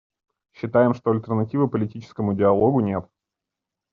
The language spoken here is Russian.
Считаем, что альтернативы политическому диалогу нет.